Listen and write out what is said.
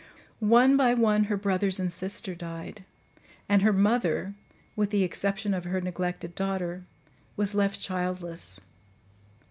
"One by one, her brothers and sister died; and her mother, with the exception of her neglected daughter, was left childless.